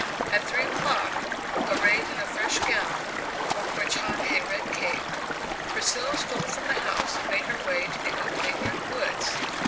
At three o'clock, arrayed in a fresh gown, over which hung a red cape, Priscilla stole from the house and made her way to the opening near the woods.